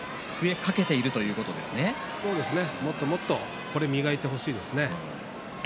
もっともっと磨いてほしいですね。